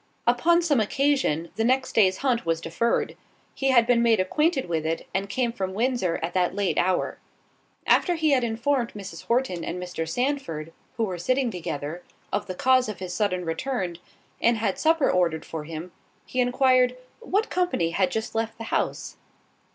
Upon some occasion the next day's hunt was deferred: he had been made acquainted with it, and came from Windsor at that late hour. After he had informed Mrs. Horton and Mr. Sandford, who were sitting together, of the cause of his sudden return, and had supper ordered for him, he enquired, "What company had just left the house?"